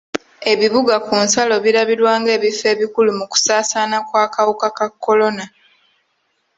Ebibuga ku nsalo birabibwa ng'ebifo ebikulu mu kusaasaana kw'akawuka ka kolona.